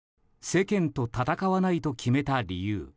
世間と闘わないと決めた理由。